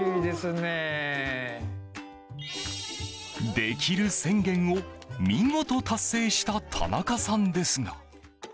できる宣言を見事、達成した田中さんですが。